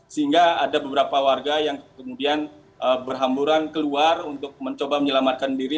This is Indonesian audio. sehingga ada beberapa warga yang kemudian berhamburan keluar untuk mencoba menyelamatkan diri